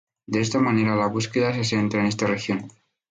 De esta manera la búsqueda se centra en esta región.